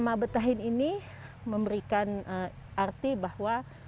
nama betahin ini memberikan arti bahwa